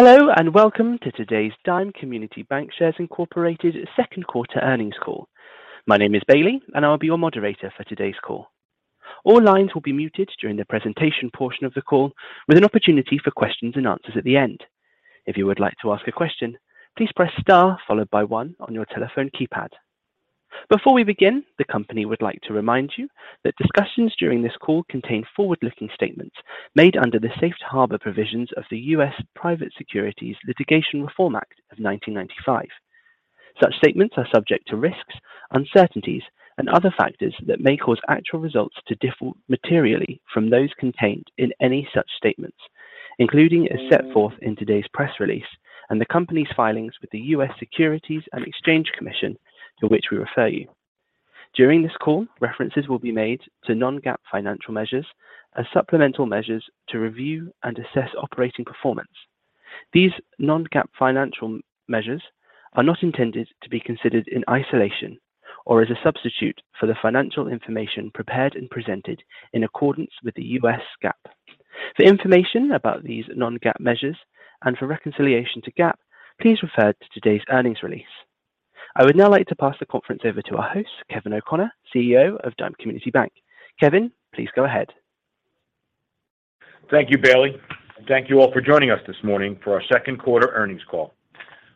Hello and welcome to today's Dime Community Bancshares, Inc. second quarter earnings call. My name is Bailey, and I'll be your moderator for today's call. All lines will be muted during the presentation portion of the call, with an opportunity for Q&A at the end. If you would like to ask a question, please press star followed by one on your telephone keypad. Before we begin, the company would like to remind you that discussions during this call contain forward-looking statements made under the Safe Harbor provisions of the U.S. Private Securities Litigation Reform Act of 1995. Such statements are subject to risks, uncertainties, and other factors that may cause actual results to differ materially from those contained in any such statements, including as set forth in today's press release and the company's filings with the U.S. Securities and Exchange Commission, to which we refer you. During this call, references will be made to non-GAAP financial measures as supplemental measures to review and assess operating performance. These non-GAAP financial measures are not intended to be considered in isolation or as a substitute for the financial information prepared and presented in accordance with the U.S. GAAP. For information about these non-GAAP measures and for reconciliation to GAAP, please refer to today's earnings release. I would now like to pass the conference over to our host, Kevin O'Connor, CEO of Dime Community Bank. Kevin, please go ahead. Thank you, Bailey. Thank you all for joining us this morning for our second quarter earnings call.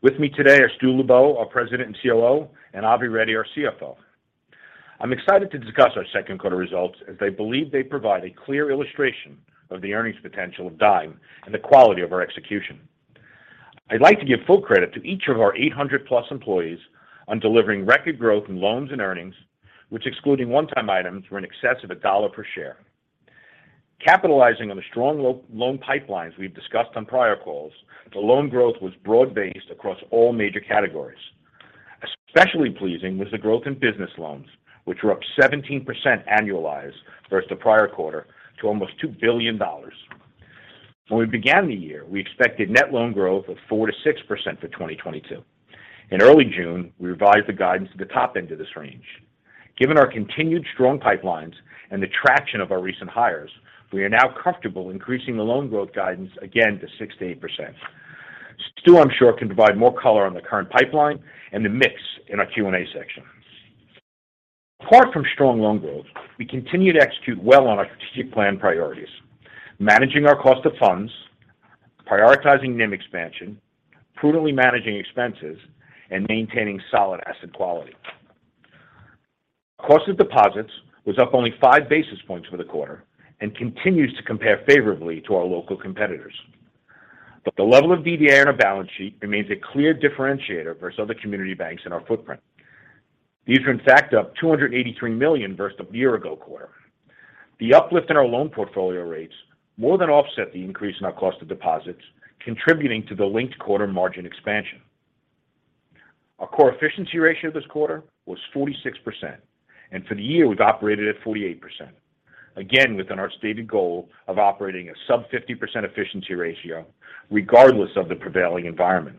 With me today are Stu Lubow, our President and COO, and Avi Reddy, our CFO. I'm excited to discuss our second quarter results as I believe they provide a clear illustration of the earnings potential of Dime and the quality of our execution. I'd like to give full credit to each of our 800+ employees on delivering record growth in loans and earnings, which excluding one-time items, were in excess of $1 per share. Capitalizing on the strong loan pipelines we've discussed on prior calls, the loan growth was broad-based across all major categories. Especially pleasing was the growth in business loans, which were up 17% annualized versus the prior quarter to almost $2 billion. When we began the year, we expected net loan growth of 4%-6% for 2022. In early June, we revised the guidance to the top end of this range. Given our continued strong pipelines and the traction of our recent hires, we are now comfortable increasing the loan growth guidance again to 6%-8%. Stu, I'm sure, can provide more color on the current pipeline and the mix in our Q&A section. Apart from strong loan growth, we continue to execute well on our strategic plan priorities, managing our cost of funds, prioritizing NIM expansion, prudently managing expenses, and maintaining solid asset quality. Cost of deposits was up only 5 basis points for the quarter and continues to compare favorably to our local competitors. The level of DDA on our balance sheet remains a clear differentiator versus other community banks in our footprint. These were in fact up $283 million versus the year-ago quarter. The uplift in our loan portfolio rates more than offset the increase in our cost of deposits, contributing to the linked-quarter margin expansion. Our core efficiency ratio this quarter was 46%, and for the year, we've operated at 48%. Again, within our stated goal of operating a sub-50% efficiency ratio regardless of the prevailing environment.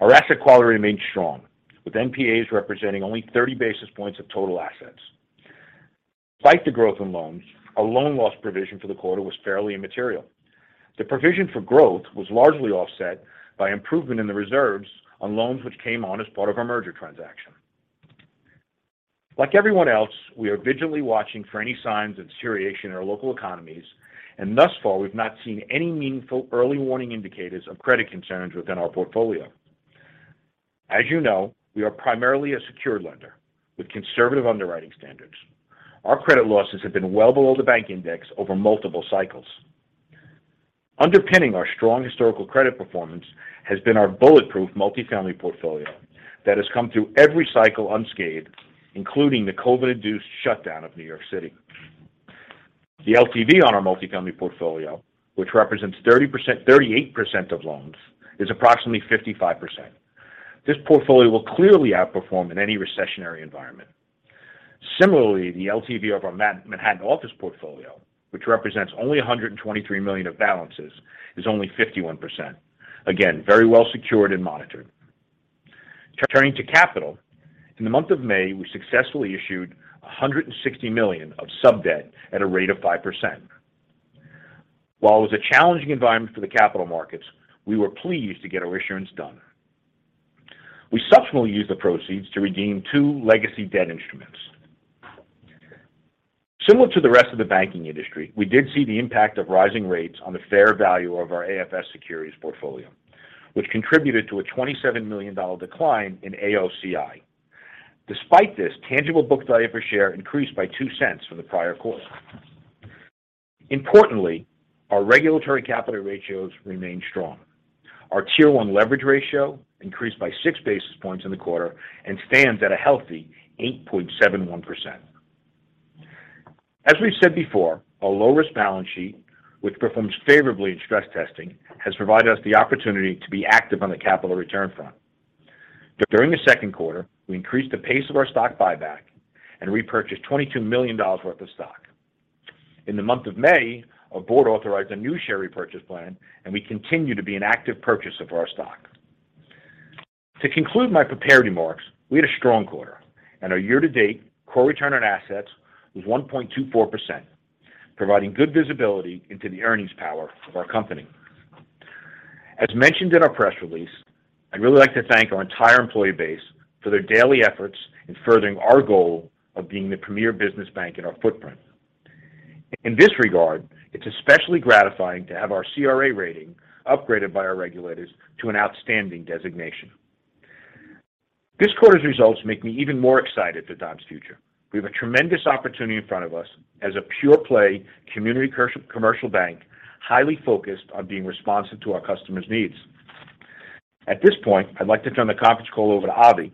Our asset quality remains strong, with NPAs representing only 30 basis points of total assets. Despite the growth in loans, our loan loss provision for the quarter was fairly immaterial. The provision for growth was largely offset by improvement in the reserves on loans which came on as part of our merger transaction. Like everyone else, we are vigilantly watching for any signs of deterioration in our local economies, and thus far, we've not seen any meaningful early warning indicators of credit concerns within our portfolio. As you know, we are primarily a secured lender with conservative underwriting standards. Our credit losses have been well below the bank index over multiple cycles. Underpinning our strong historical credit performance has been our bulletproof multifamily portfolio that has come through every cycle unscathed, including the COVID-induced shutdown of New York City. The LTV on our multifamily portfolio, which represents 38% of loans, is approximately 55%. This portfolio will clearly outperform in any recessionary environment. Similarly, the LTV of our Manhattan office portfolio, which represents only $123 million of balances, is only 51%. Again, very well secured and monitored. Turning to capital. In the month of May, we successfully issued $160 million of sub-debt at a rate of 5%. While it was a challenging environment for the capital markets, we were pleased to get our issuance done. We subsequently used the proceeds to redeem two legacy debt instruments. Similar to the rest of the banking industry, we did see the impact of rising rates on the fair value of our AFS securities portfolio, which contributed to a $27 million decline in AOCI. Despite this, tangible book value per share increased by $0.02 from the prior quarter. Importantly, our regulatory capital ratios remain strong. Our Tier 1 leverage ratio increased by six basis points in the quarter and stands at a healthy 8.71%. As we've said before, a low-risk balance sheet, which performs favorably in stress testing, has provided us the opportunity to be active on the capital return front. During the second quarter, we increased the pace of our stock buyback and repurchased $22 million worth of stock. In the month of May, our board authorized a new share repurchase plan, and we continue to be an active purchaser of our stock. To conclude my prepared remarks, we had a strong quarter and our year-to-date core return on assets was 1.24%, providing good visibility into the earnings power of our company. As mentioned in our press release, I'd really like to thank our entire employee base for their daily efforts in furthering our goal of being the premier business bank in our footprint. In this regard, it's especially gratifying to have our CRA rating upgraded by our regulators to an outstanding designation. This quarter's results make me even more excited for Dime's future. We have a tremendous opportunity in front of us as a pure-play community commercial bank, highly focused on being responsive to our customers' needs. At this point, I'd like to turn the conference call over to Avi,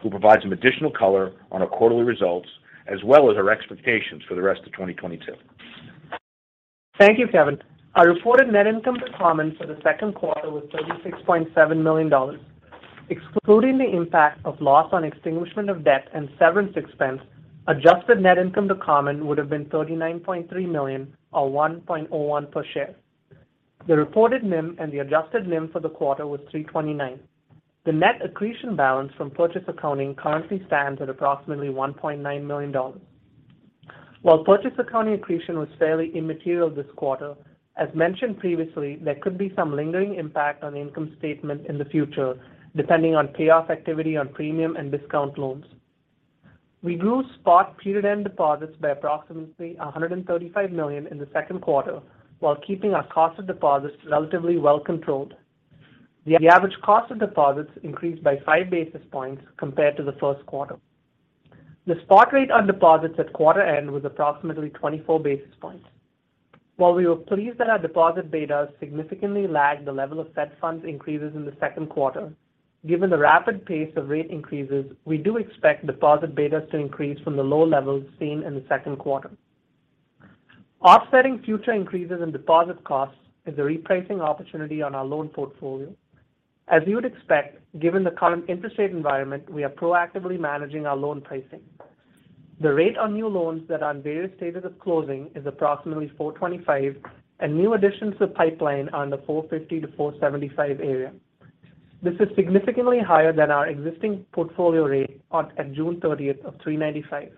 who provides some additional color on our quarterly results as well as our expectations for the rest of 2022. Thank you, Kevin. Our reported net income to common for the second quarter was $36.7 million. Excluding the impact of loss on extinguishment of debt and severance expense, adjusted net income to common would have been $39.3 million or $1.01 per share. The reported NIM and the adjusted NIM for the quarter was 3.29%. The net accretion balance from purchase accounting currently stands at approximately $1.9 million. While purchase accounting accretion was fairly immaterial this quarter, as mentioned previously, there could be some lingering impact on income statement in the future depending on payoff activity on premium and discount loans. We grew spot period-end deposits by approximately $135 million in the second quarter while keeping our cost of deposits relatively well controlled. The average cost of deposits increased by 5 basis points compared to the first quarter. The spot rate on deposits at quarter end was approximately 24 basis points. While we were pleased that our deposit betas significantly lagged the level of set funds increases in the second quarter, given the rapid pace of rate increases, we do expect deposit betas to increase from the low levels seen in the second quarter. Offsetting future increases in deposit costs is the repricing opportunity on our loan portfolio. As you would expect, given the current interest rate environment, we are proactively managing our loan pricing. The rate on new loans that are in various stages of closing is approximately 4.25%, and new additions to the pipeline are in the 4.50%-4.75%` area. This is significantly higher than our existing portfolio rate at June 30 of 3.95%.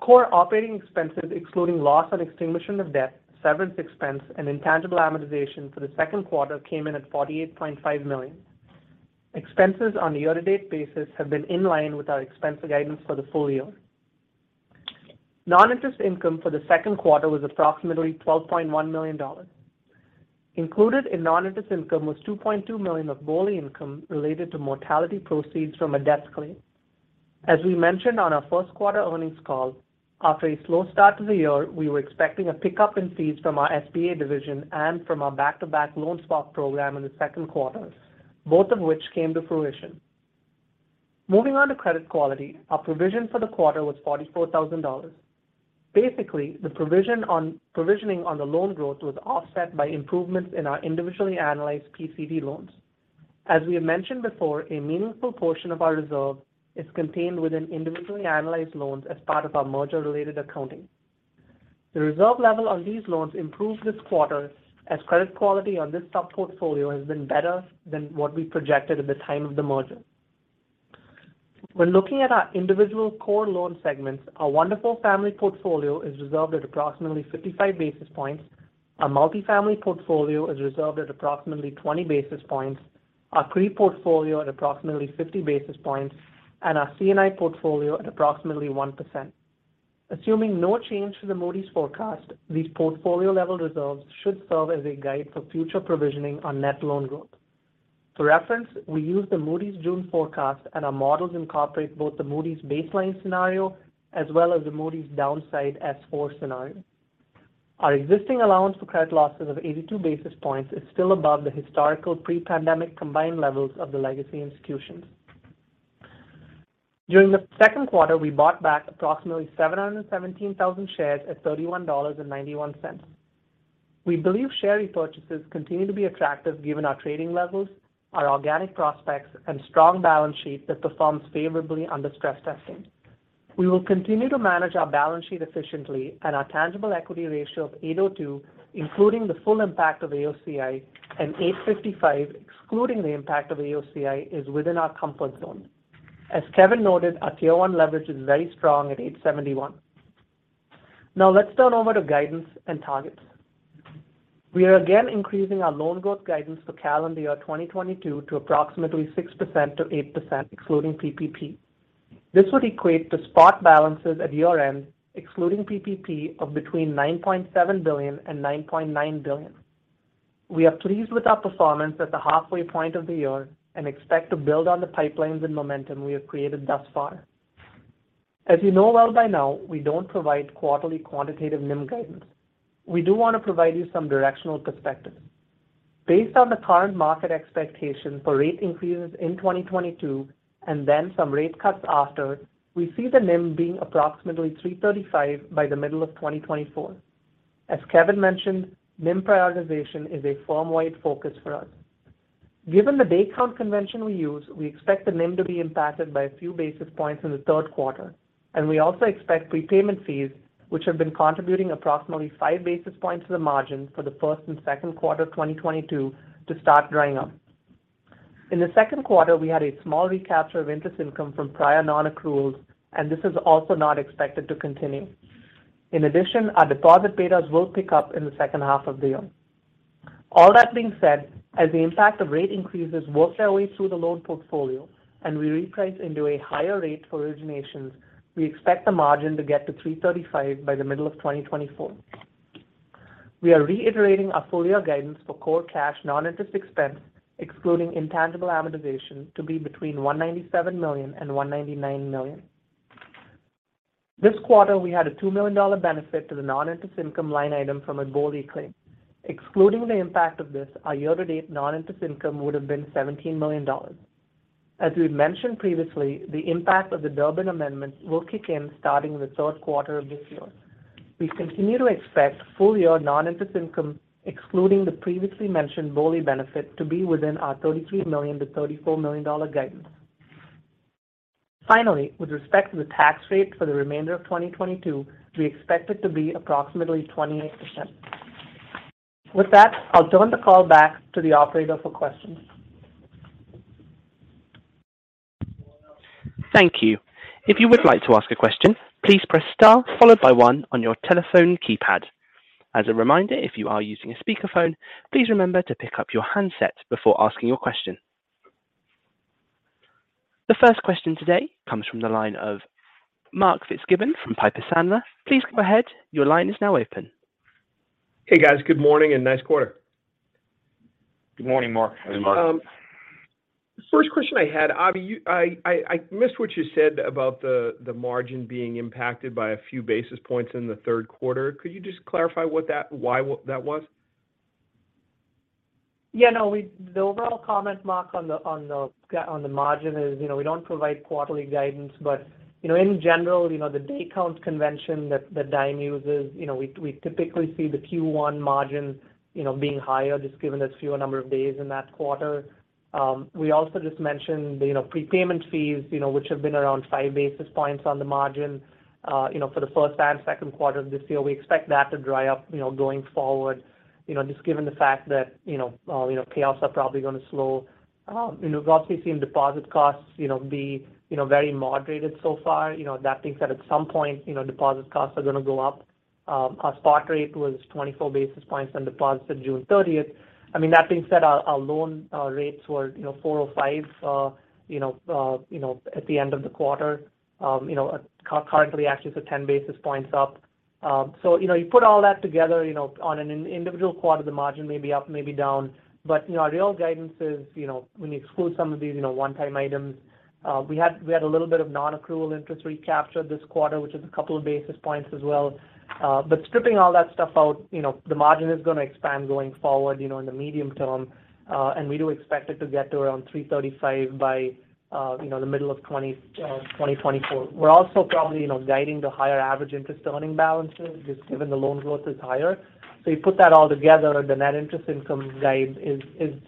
Core operating expenses, excluding loss on extinguishment of debt, severance expense, and intangible amortization for the second quarter came in at $48.5 million. Expenses on a year-to-date basis have been in line with our expense guidance for the full year. Non-interest income for the second quarter was approximately $12.1 million. Included in non-interest income was $2.2 million of BOLI income related to mortality proceeds from a death claim. As we mentioned on our first quarter earnings call, after a slow start to the year, we were expecting a pickup in fees from our SBA division and from our back-to-back loan swap program in the second quarter, both of which came to fruition. Moving on to credit quality, our provision for the quarter was $44,000. Basically, provisioning on the loan growth was offset by improvements in our individually analyzed PCD loans. As we have mentioned before, a meaningful portion of our reserve is contained within individually analyzed loans as part of our merger-related accounting. The reserve level on these loans improved this quarter as credit quality on this sub-portfolio has been better than what we projected at the time of the merger. When looking at our individual core loan segments, our one-to-four family portfolio is reserved at approximately 55 basis points, our multifamily portfolio is reserved at approximately 20 basis points, our CRE portfolio at approximately 50 basis points, and our C&I portfolio at approximately 1%. Assuming no change to the Moody's forecast, these portfolio-level reserves should serve as a guide for future provisioning on net loan growth. For reference, we use the Moody's June forecast, and our models incorporate both the Moody's baseline scenario as well as the Moody's downside S4 scenario. Our existing allowance for credit losses of 82 basis points is still above the historical pre-pandemic combined levels of the legacy institutions. During the second quarter, we bought back approximately 717,000 shares at $31.91. We believe share repurchases continue to be attractive given our trading levels, our organic prospects, and strong balance sheet that performs favorably under stress testing. We will continue to manage our balance sheet efficiently and our tangible equity ratio of 8.02%, including the full impact of AOCI, and 8.55%, excluding the impact of AOCI, is within our comfort zone. As Kevin noted, our Tier 1 leverage is very strong at 8.71%. Now let's turn over to guidance and targets. We are again increasing our loan growth guidance for calendar year 2022 to approximately 6%-8%, excluding PPP. This would equate to spot balances at year-end, excluding PPP, of between $9.7 billion and $9.9 billion. We are pleased with our performance at the halfway point of the year and expect to build on the pipelines and momentum we have created thus far. As you know well by now, we don't provide quarterly quantitative NIM guidance. We do wanna provide you some directional perspective. Based on the current market expectation for rate increases in 2022 and then some rate cuts after, we see the NIM being approximately 3.35% by the middle of 2024. As Kevin mentioned, NIM prioritization is a firm-wide focus for us. Given the day count convention we use, we expect the NIM to be impacted by a few basis points in the third quarter, and we also expect prepayment fees, which have been contributing approximately 5 basis points to the margin for the first and second quarter of 2022, to start drying up. In the second quarter, we had a small recapture of interest income from prior non-accruals, and this is also not expected to continue. In addition, our deposit betas will pick up in the second half of the year. All that being said, as the impact of rate increases work their way through the loan portfolio and we reprice into a higher rate for originations, we expect the margin to get to 3.35% by the middle of 2024. We are reiterating our full-year guidance for core cash non-interest expense, excluding intangible amortization, to be between $197 million and $199 million. This quarter, we had a $2 million benefit to the non-interest income line item from a BOLI claim. Excluding the impact of this, our year-to-date non-interest income would have been $17 million. As we've mentioned previously, the impact of the Durbin Amendment will kick in starting in the third quarter of this year. We continue to expect full-year non-interest income, excluding the previously mentioned BOLI benefit to be within our $33 million-$34 million guidance. Finally, with respect to the tax rate for the remainder of 2022, we expect it to be approximately 28%. With that, I'll turn the call back to the operator for questions. Thank you. If you would like to ask a question, please press star followed by one on your telephone keypad. As a reminder, if you are using a speakerphone, please remember to pick up your handset before asking your question. The first question today comes from the line of Mark Fitzgibbon from Piper Sandler. Please go ahead. Your line is now open. Hey, guys. Good morning and nice quarter. Good morning, Mark. First question I had, Avi, I missed what you said about the margin being impacted by a few basis points in the third quarter. Could you just clarify why that was? Yeah, no. The overall comment, Mark, on the margin is, you know, we don't provide quarterly guidance. You know, in general, you know, the day count convention that Dime uses, you know, we typically see the Q1 margin, you know, being higher just given there's fewer number of days in that quarter. We also just mentioned, you know, prepayment fees, you know, which have been around 5 basis points on the margin. You know, for the first and second quarter of this year, we expect that to dry up, you know, going forward. You know, just given the fact that, you know, payoffs are probably gonna slow. You know, we've also seen deposit costs, you know, be very moderated so far. You know, that being said, at some point, you know, deposit costs are going to go up. Our spot rate was 24 basis points on deposits at June 30th. I mean, that being said, our loan rates were, you know, 4.05%, you know, at the end of the quarter. You know, currently actually so 10 basis points up. So, you know, you put all that together, you know, on an individual quarter, the margin may be up, may be down. You know, our real guidance is, you know, when you exclude some of these, you know, one-time items. We had a little bit of non-accrual interest recaptured this quarter, which is a couple of basis points as well. Stripping all that stuff out, you know, the margin is gonna expand going forward, you know, in the medium term. We do expect it to get to around 3.35% by, you know, the middle of 2024. We're also probably, you know, guiding to higher average interest earning balances just given the loan growth is higher. You put that all together, the net interest income guide is,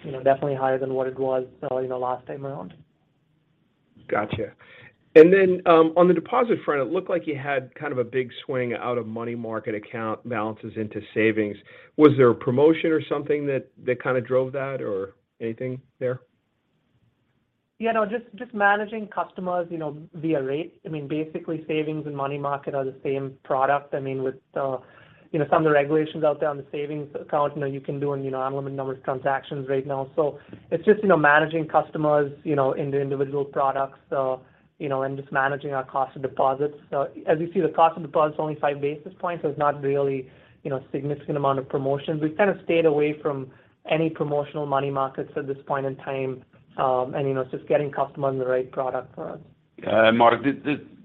you know, definitely higher than what it was, you know, last time around. Gotcha. On the deposit front, it looked like you had kind of a big swing out of money market account balances into savings. Was there a promotion or something that kind of drove that or anything there? Yeah, no. Just managing customers, you know, via rate. I mean, basically, savings and money market are the same product. I mean, with you know, some of the regulations out there on the savings account, you know, you can do unlimited numbers of transactions right now. It's just managing customers, you know, in the individual products, you know, and just managing our cost of deposits. As you see, the cost of deposits is only 5 basis points, so it's not really, you know, significant amount of promotions. We've kind of stayed away from any promotional money markets at this point in time. It's just getting customers in the right product for us. Yeah. Mark,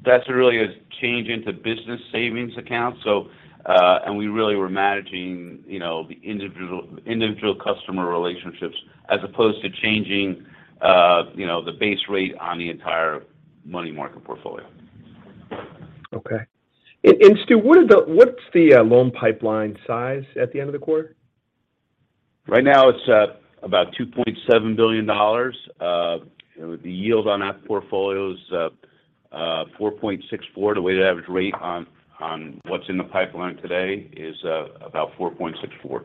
that's really a change into business savings accounts. We really were managing, you know, the individual customer relationships as opposed to changing, you know, the base rate on the entire money market portfolio. Okay. Stu, what's the loan pipeline size at the end of the quarter? Right now it's about $2.7 billion. The yield on that portfolio is 4.64%. The weighted average rate on what's in the pipeline today is about 4.64%.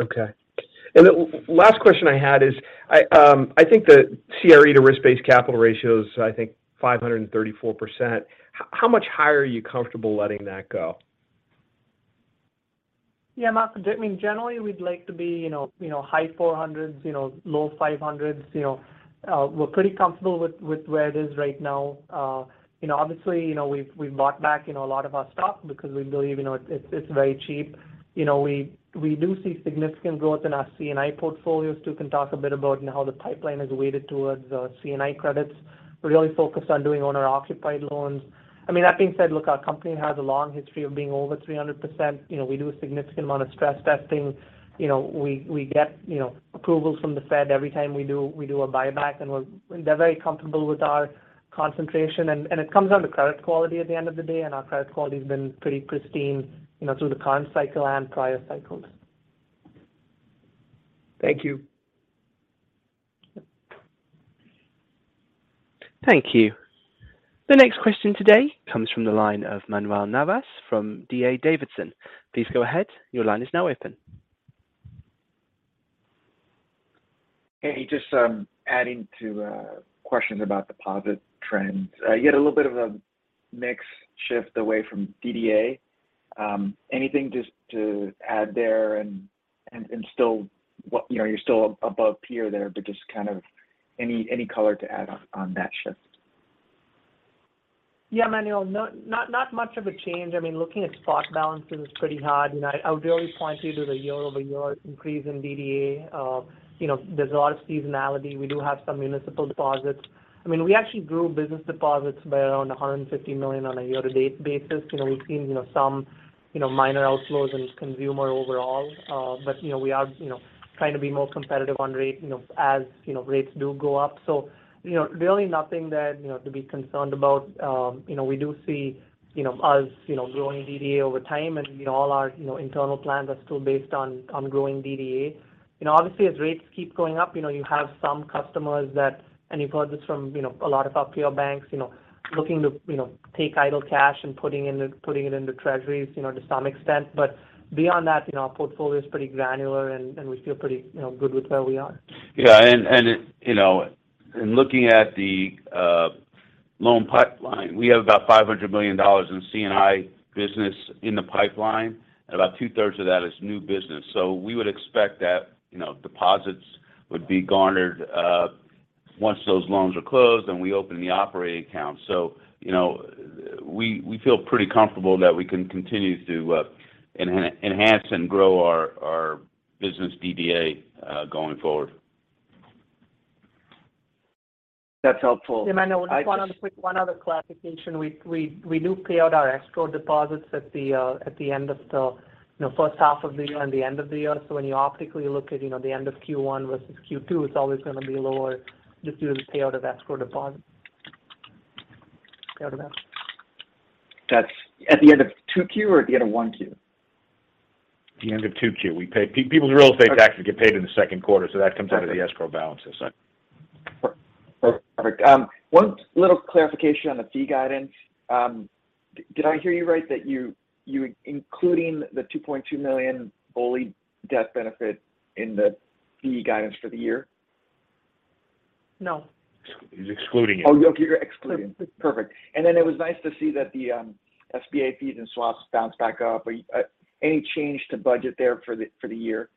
Okay. The last question I had is, I think the CRE to risk-based capital ratio is, I think, 534%. How much higher are you comfortable letting that go? Yeah, Mark. I mean, generally, we'd like to be, you know, high 400s, low 500s. You know, we're pretty comfortable with where it is right now. You know, obviously, we've bought back a lot of our stock because we believe it's very cheap. You know, we do see significant growth in our C&I portfolio. Stu can talk a bit about, you know, how the pipeline is weighted towards C&I credits. We're really focused on doing owner-occupied loans. I mean, that being said, look, our company has a long history of being over 300%. You know, we do a significant amount of stress testing. You know, we get, you know, approvals from the Fed every time we do a buyback, and they're very comfortable with our concentration. It comes down to credit quality at the end of the day, and our credit quality's been pretty pristine, you know, through the current cycle and prior cycles. Thank you. Thank you. The next question today comes from the line of Manuel Navas from D.A. Davidson. Please go ahead. Your line is now open. Hey, just adding to questions about deposit trends. You had a little bit of a mix shift away from DDA. Anything just to add there and still, you know, you're still above peer there, but just kind of any color to add on that shift? Yeah, Manuel, not much of a change. I mean, looking at spot balances is pretty hard. You know, I would really point you to the year-over-year increase in DDA. You know, there's a lot of seasonality. We do have some municipal deposits. I mean, we actually grew business deposits by around $150 million on a year-to-date basis. You know, we've seen, you know, some, you know, minor outflows in consumer overall. But you know, we are, you know, trying to be more competitive on rate, you know, as, you know, rates do go up. So, you know, really nothing that, you know, to be concerned about. You know, we do see, you know, us, you know, growing DDA over time, and, you know, all our, you know, internal plans are still based on growing DDA. You know, obviously as rates keep going up, you know, you have some customers that, and you've heard this from, you know, a lot of our peer banks, you know, looking to, you know, take idle cash and putting it into treasuries, you know, to some extent. But beyond that, you know, our portfolio is pretty granular and we feel pretty, you know, good with where we are. You know, in looking at the loan pipeline, we have about $500 million in C&I business in the pipeline, and about two-thirds of that is new business. We would expect that, you know, deposits would be garnered once those loans are closed and we open the operating account. You know, we feel pretty comfortable that we can continue to enhance and grow our business DDA going forward. That's helpful. Yeah, Manuel. Just one other clarification. We do pay out our escrow deposits at the end of the first half of the year and the end of the year. When you optically look at the end of Q1 versus Q2, it's always gonna be lower just due to the payout of escrow deposit. Fair enough. That's at the end of 2Q or at the end of 1Q? The end of 2Q. We pay people's real estate taxes get paid in the second quarter, so that comes out of the escrow balances. Perfect. One little clarification on the fee guidance. Did I hear you right that you're including the $2.2 million BOLI death benefit in the fee guidance for the year? No. He's excluding it. Oh, okay. You're excluding. Yes. Perfect. It was nice to see that the SBA fees and swaps bounce back up. Any change to budget there for the year?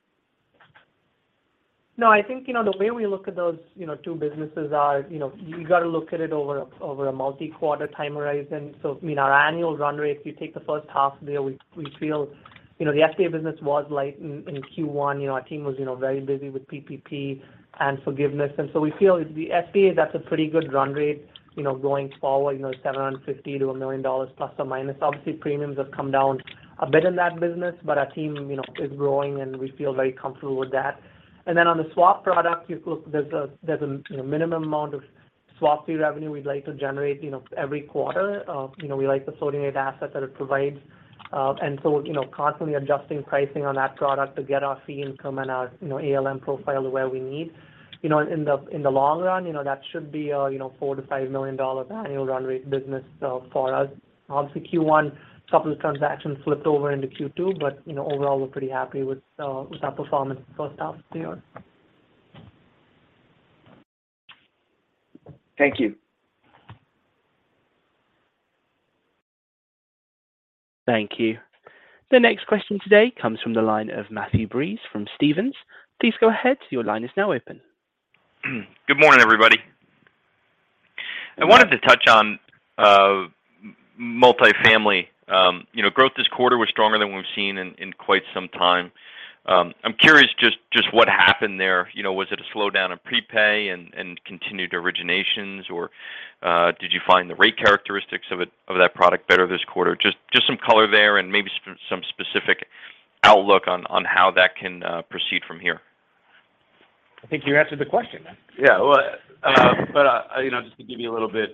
No. I think, you know, the way we look at those, you know, two businesses are, you know. You gotta look at it over a multi-quarter time horizon. I mean, our annual run rate, if you take the first half of the year, we feel, you know, the SBA business was light in Q1. You know, our team was, you know, very busy with PPP and forgiveness. We feel the SBA. That's a pretty good run rate, you know, going forward. You know, $750,000-$1 million±. Obviously premiums have come down a bit in that business, but our team, you know, is growing and we feel very comfortable with that. On the swap product, you look, there's a minimum amount of swap fee revenue we'd like to generate, you know, every quarter, you know, we like the floating rate assets that it provides. You know, constantly adjusting pricing on that product to get our fee income and our, you know, ALM profile to where we need. You know, in the long run, you know, that should be a $4 million-$5 million annual run rate business for us. Obviously Q1, some of the transactions flipped over into Q2. You know, overall we're pretty happy with our performance the first half of the year. Thank you. Thank you. The next question today comes from the line of Matthew Breese from Stephens. Please go ahead. Your line is now open. Good morning, everybody. I wanted to touch on multifamily. You know, growth this quarter was stronger than we've seen in quite some time. I'm curious just what happened there. You know, was it a slowdown in prepay and continued originations? Or did you find the rate characteristics of that product better this quarter? Just some color there and maybe some specific outlook on how that can proceed from here. I think you answered the question, Matt. Yeah, you know, just to give you a little bit.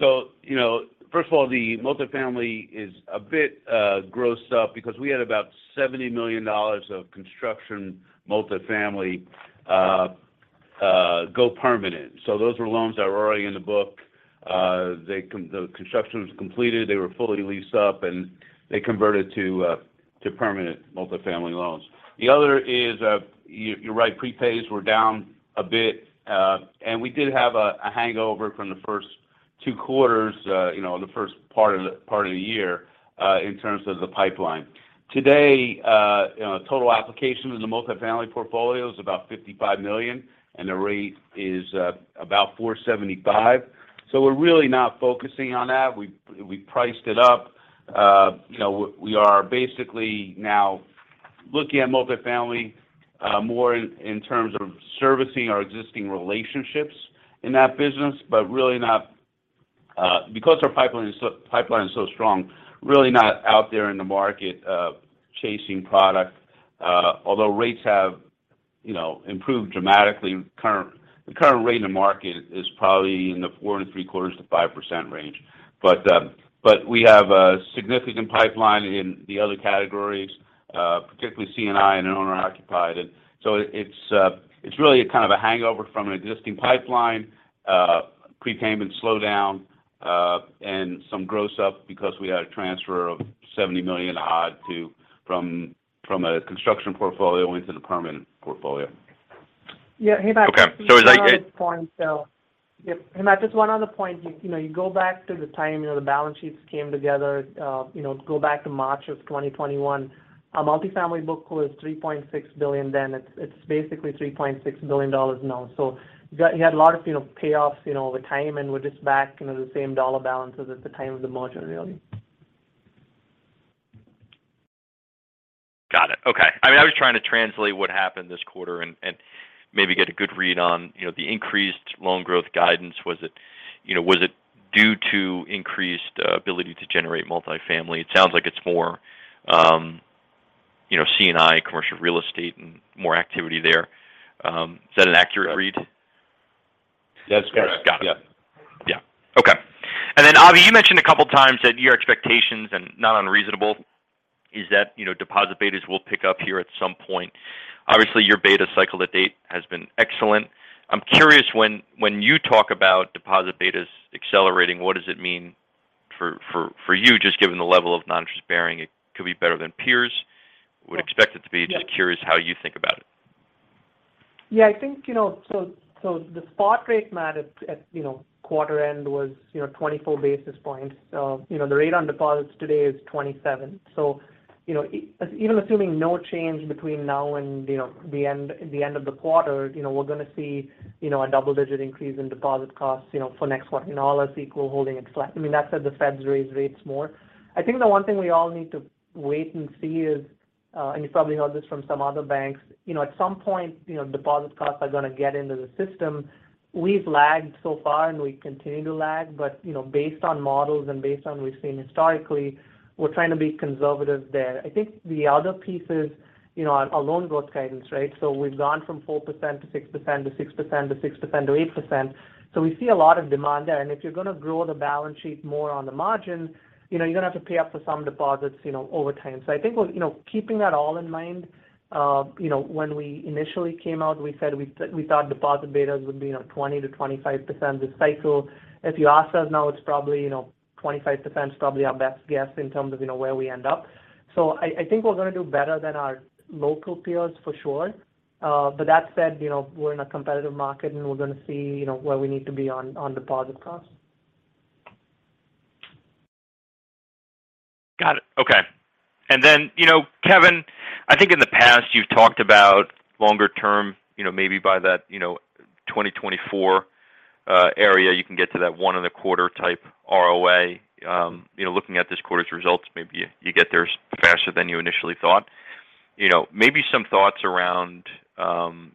You know, first of all, the multifamily is a bit grossed up because we had about $70 million of construction multifamily go permanent. Those were loans that were already in the book. The construction was completed, they were fully leased up, and they converted to permanent multifamily loans. The other is, you're right, prepays were down a bit. We did have a hangover from the first two quarters, you know, the first part of the year, in terms of the pipeline. Today, you know, total applications in the multifamily portfolio is about $55 million, and the rate is about 4.75%. We're really not focusing on that. We priced it up. You know, we are basically now looking at multifamily, more in terms of servicing our existing relationships in that business, but really not, because our pipeline is so strong, really not out there in the market, chasing product. Although rates have, you know, improved dramatically. The current rate in the market is probably in the 4.75%-5% range. But we have a significant pipeline in the other categories, particularly C&I and owner-occupied. It's really a kind of a hangover from an existing pipeline, prepayment slowdown. Some gross up because we had a transfer of $70 million odd from a construction portfolio into the permanent portfolio. Yeah. Hey, Matt. Okay. Is that? Another point. Yep. Hey, Matt, just one other point. You know, you go back to the time, you know, the balance sheets came together, you know, go back to March of 2021. Our multifamily book was $3.6 billion then. It's basically $3.6 billion now. You had a lot of, you know, payoffs, you know, over time, and we're just back, you know, the same dollar balances at the time of the merger, really. Got it. Okay. I mean, I was trying to translate what happened this quarter and maybe get a good read on, you know, the increased loan growth guidance. Was it, you know, was it due to increased ability to generate multifamily? It sounds like it's more, you know, C&I, commercial real estate and more activity there. Is that an accurate read? That's correct. Yes. Got it. Yeah. Yeah. Okay. Avi, you mentioned a couple of times that your expectations, and not unreasonable, is that, you know, deposit betas will pick up here at some point. Obviously, your beta cycle to date has been excellent. I'm curious when you talk about deposit betas accelerating, what does it mean for you, just given the level of non-interest-bearing? It could be better than peers would expect it to be. Yeah. Just curious how you think about it. Yeah, I think, you know, the spot rate, Matt, at quarter end was, you know, 24 basis points. You know, the rate on deposits today is 27 basis points. You know, even assuming no change between now and, you know, the end of the quarter, you know, we're gonna see, you know, a double-digit increase in deposit costs, you know, for next quarter and all else equal, holding it flat. I mean, that said, the Feds raise rates more. I think the one thing we all need to wait and see is you probably heard this from some other banks, you know, at some point, you know, deposit costs are gonna get into the system. We've lagged so far, and we continue to lag. You know, based on models and based on we've seen historically, we're trying to be conservative there. I think the other piece is, you know, our loan growth guidance, right? We've gone from 4%-6% to 6%-6%-8%. We see a lot of demand there. If you're gonna grow the balance sheet more on the margin, you know, you're gonna have to pay up for some deposits, you know, over time. I think we'll, you know, keeping that all in mind, you know, when we initially came out, we said we thought deposit betas would be, you know, 20%-25% this cycle. If you ask us now, it's probably, you know, 25% is probably our best guess in terms of, you know, where we end up. I think we're gonna do better than our local peers for sure. That said, you know, we're in a competitive market, and we're gonna see, you know, where we need to be on deposit costs. Got it. Okay. You know, Kevin, I think in the past you've talked about longer term, you know, maybe by that, you know, 2024 area, you can get to that 1.25% type ROA. You know, looking at this quarter's results, maybe you get there faster than you initially thought. You know, maybe some thoughts around,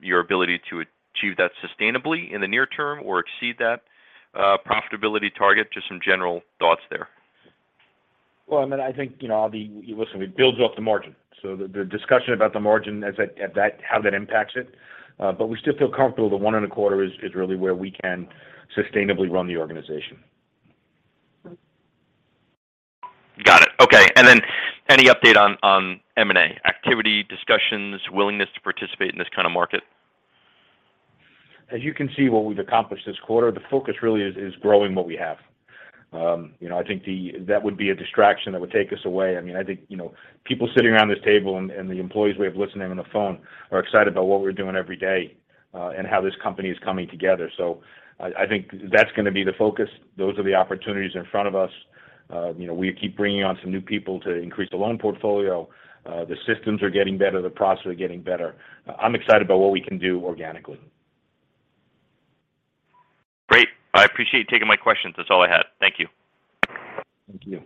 your ability to achieve that sustainably in the near term or exceed that, profitability target. Just some general thoughts there. Well, I mean, I think, you know, Avi, listen, it builds off the margin. The discussion about the margin at that, how that impacts it. We still feel comfortable that 1.25% is really where we can sustainably run the organization. Got it. Okay. Any update on M&A activity, discussions, willingness to participate in this kind of market? As you can see what we've accomplished this quarter, the focus really is growing what we have. You know, I think that would be a distraction that would take us away. I mean, I think, you know, people sitting around this table and the employees we have listening on the phone are excited about what we're doing every day, and how this company is coming together. I think that's gonna be the focus. Those are the opportunities in front of us. You know, we keep bringing on some new people to increase the loan portfolio. The systems are getting better. The processes are getting better. I'm excited about what we can do organically. Great. I appreciate you taking my questions. That's all I had. Thank you. Thank you.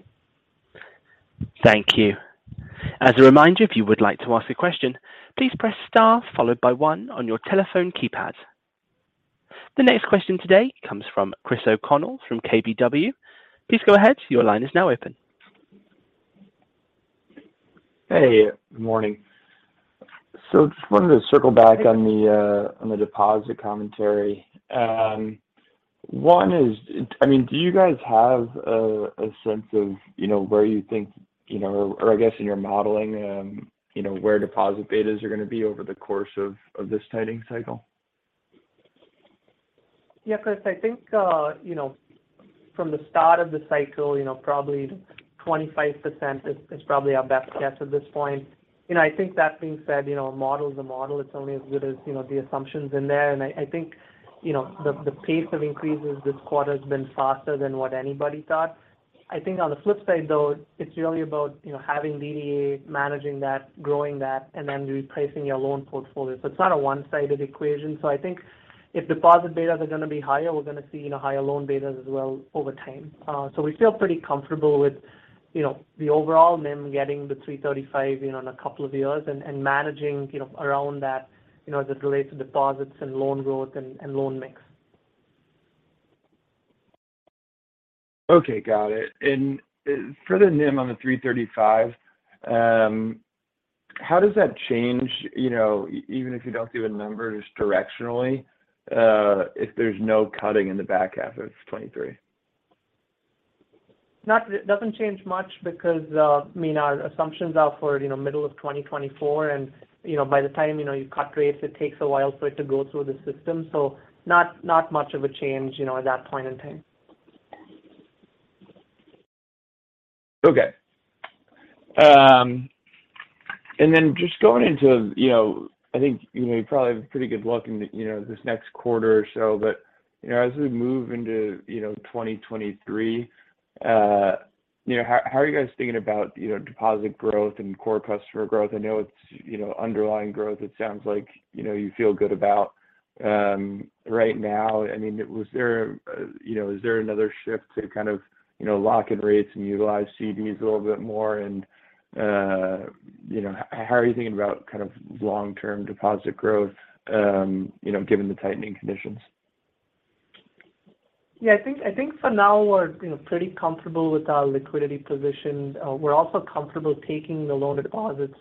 Thank you. As a reminder, if you would like to ask a question, please press star followed by one on your telephone keypad. The next question today comes from Chris O'Connell from KBW. Please go ahead. Your line is now open. Hey, good morning. Just wanted to circle back on the deposit commentary. One is, I mean, do you guys have a sense of, you know, where you think, you know, or I guess in your modeling, you know, where deposit betas are gonna be over the course of this tightening cycle? Yeah, Chris, I think you know, from the start of the cycle, you know, probably 25% is probably our best guess at this point. You know, I think that being said, you know, a model is a model. It's only as good as you know, the assumptions in there. I think you know, the pace of increases this quarter has been faster than what anybody thought. I think on the flip side, though, it's really about you know, having the DDA, managing that, growing that, and then repricing your loan portfolio. It's not a one-sided equation. I think if deposit betas are gonna be higher, we're gonna see you know, higher loan betas as well over time. We feel pretty comfortable with, you know, the overall NIM getting to 3.35%, you know, in a couple of years and managing, you know, around that, you know, as it relates to deposits and loan growth and loan mix. Okay. Got it. For the NIM on the 3.35%, how does that change, you know, even if you don't give a number, just directionally, if there's no cutting in the back half of 2023? It doesn't change much because, I mean, our assumptions are for, you know, middle of 2024. You know, by the time you cut rates, it takes a while for it to go through the system. Not much of a change, you know, at that point in time. Okay. Just going into, you know, I think, you know, you probably have a pretty good look into, you know, this next quarter or so. You know, as we move into, you know, 2023, you know, how are you guys thinking about, you know, deposit growth and core customer growth? I know it's, you know, underlying growth, it sounds like, you know, you feel good about right now. I mean, you know, is there another shift to kind of, you know, lock in rates and utilize CDs a little bit more? You know, how are you thinking about kind of long-term deposit growth, you know, given the tightening conditions? Yeah, I think for now we're you know pretty comfortable with our liquidity position. We're also comfortable taking the loan-to-deposit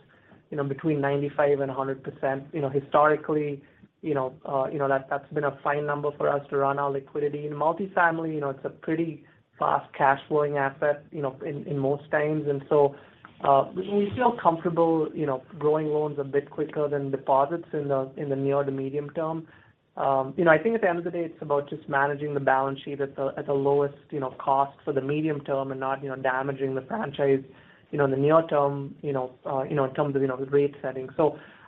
you know between 95%-100%. You know historically you know that's been a fine number for us to run our liquidity. In multifamily you know it's a pretty fast cash flowing asset you know in most times. We feel comfortable you know growing loans a bit quicker than deposits in the near to medium term. You know I think at the end of the day it's about just managing the balance sheet at the lowest you know cost for the medium term and not you know damaging the franchise you know in the near term you know in terms of you know the rate setting.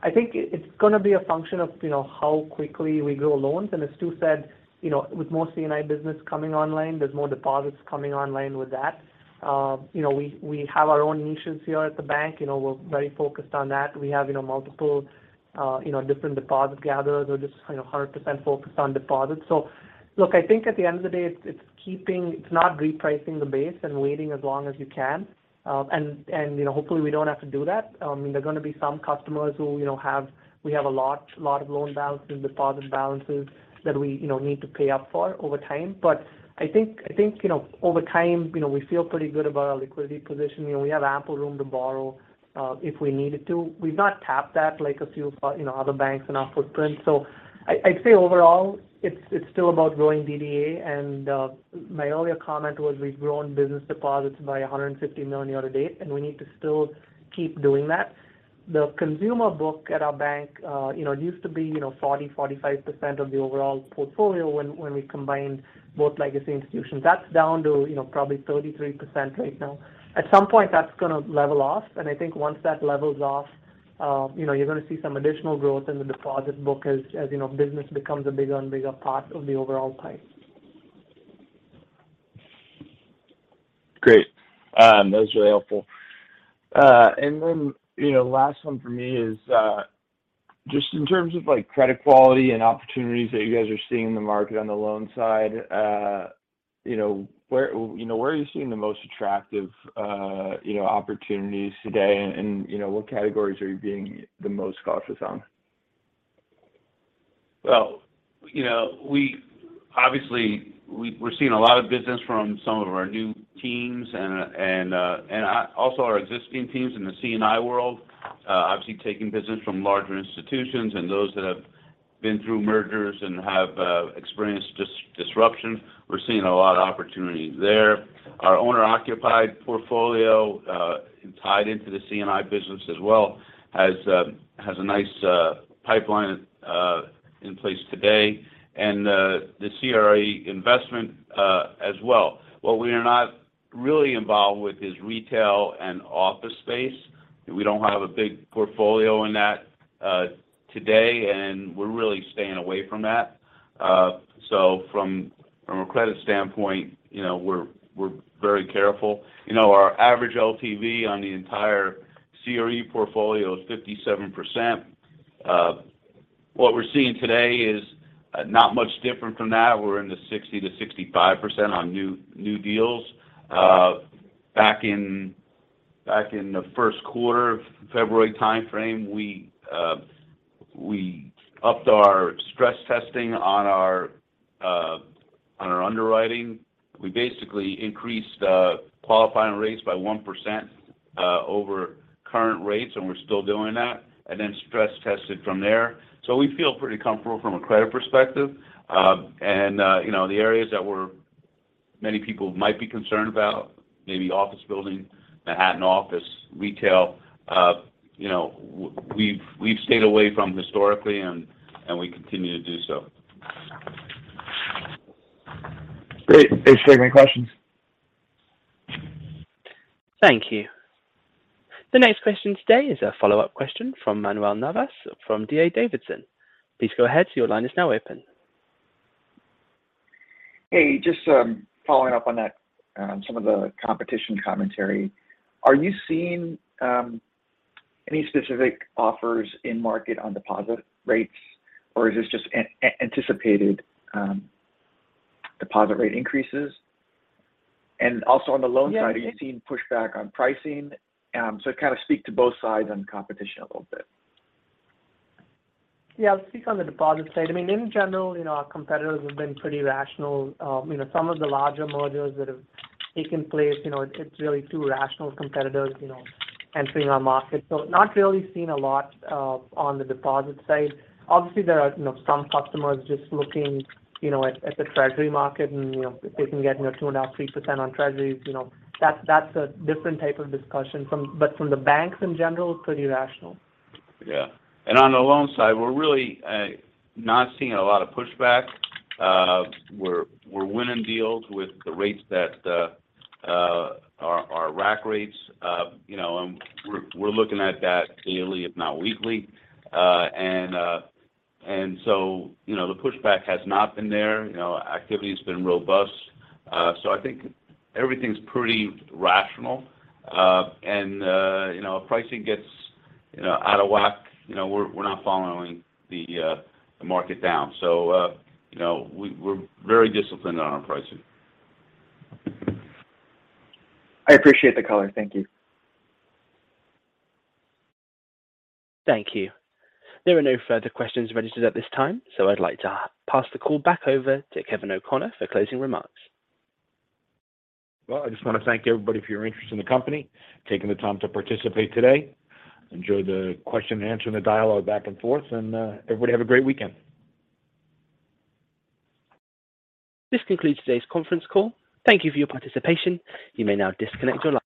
I think it's going to be a function of, you know, how quickly we grow loans. As Stu said, you know, with more C&I business coming online, there's more deposits coming online with that. You know, we have our own niches here at the bank. You know, we're very focused on that. We have, you know, multiple, you know, different deposit gatherers who are just, you know, 100% focused on deposits. Look, I think at the end of the day, it's not repricing the base and waiting as long as you can. And, you know, hopefully we don't have to do that. There are going to be some customers who, you know, have—we have a lot of loan balances, deposit balances that we, you know, need to pay up for over time. I think, you know, over time, you know, we feel pretty good about our liquidity position. You know, we have ample room to borrow if we needed to. We've not tapped that like a few, you know, other banks in our footprint. I'd say overall, it's still about growing DDA. My earlier comment was we've grown business deposits by $150 million year-to-date, and we need to still keep doing that. The consumer book at our bank, you know, it used to be, you know, 40%-45% of the overall portfolio when we combined both legacy institutions. That's down to, you know, probably 33% right now. At some point, that's going to level off. I think once that levels off, you know, you're going to see some additional growth in the deposit book as you know, business becomes a bigger and bigger part of the overall pie. Great. That was really helpful. And then, you know, last one for me is just in terms of like credit quality and opportunities that you guys are seeing in the market on the loan side, you know, where, you know, where are you seeing the most attractive, you know, opportunities today and and you know, what categories are you being the most cautious on? Well, you know, we obviously are seeing a lot of business from some of our new teams and also our existing teams in the C&I world, obviously taking business from larger institutions and those that have been through mergers and have experienced disruption. We're seeing a lot of opportunities there. Our owner-occupied portfolio tied into the C&I business as well has a nice pipeline in place today and the CRE investment as well. What we are not really involved with is retail and office space. We don't have a big portfolio in that today, and we're really staying away from that. From a credit standpoint, you know, we're very careful. You know, our average LTV on the entire CRE portfolio is 57%. What we're seeing today is not much different from that. We're in the 60%-65% on new deals. Back in the first quarter of February timeframe, we upped our stress testing on our underwriting. We basically increased qualifying rates by 1% over current rates, and we're still doing that, and then stress tested from there. We feel pretty comfortable from a credit perspective. You know, the areas that many people might be concerned about, maybe office building, Manhattan office, retail, you know, we've stayed away from historically and we continue to do so. Great. Thanks for taking my questions. Thank you. The next question today is a follow-up question from Manuel Navas from DA Davidson. Please go ahead. Your line is now open. Hey, just following up on that, some of the competition commentary. Are you seeing any specific offers in market on deposit rates, or is this just an anticipated deposit rate increases? On the loan side, are you seeing pushback on pricing? Kind of speak to both sides on competition a little bit. Yeah. I'll speak on the deposit side. I mean, in general, you know, our competitors have been pretty rational. You know, some of the larger mergers that have taken place, you know, it's really two rational competitors, you know, entering our market. Not really seeing a lot on the deposit side. Obviously, there are, you know, some customers just looking, you know, at the Treasury market and, you know, if they can get, you know, 2.5%-3% on treasuries, you know, that's a different type of discussion from, but from the banks in general, pretty rational. Yeah. On the loan side, we're really not seeing a lot of pushback. We're winning deals with the rates that our rack rates. You know, we're looking at that daily, if not weekly. You know, the pushback has not been there. You know, activity's been robust. I think everything's pretty rational. You know, if pricing gets, you know, out of whack, you know, we're not following the market down. You know, we're very disciplined on our pricing. I appreciate the color. Thank you. Thank you. There are no further questions registered at this time, so I'd like to pass the call back over to Kevin O'Connor for closing remarks. Well, I just want to thank everybody for your interest in the company, taking the time to participate today. Enjoy the Q&A and the dialogue back and forth, and everybody have a great weekend. This concludes today's conference call. Thank you for your participation. You may now disconnect your line.